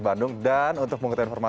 bagaimana ini keseruan